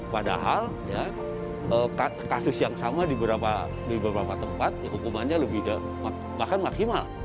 padahal kasus yang sama di beberapa tempat hukumannya lebih ke bahkan maksimal